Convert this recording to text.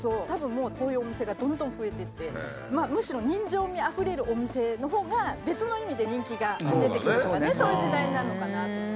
たぶんもうこういうお店がどんどん増えてってむしろ人情味あふれるお店のほうが別の意味で人気が出てくるとかねそういう時代なのかなと。